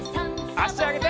あしあげて。